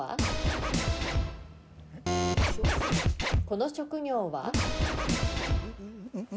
この職業は？んっ？